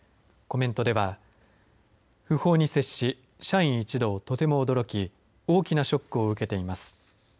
コメントでは訃報に接し社員一同とても驚き大きなショックを受けています。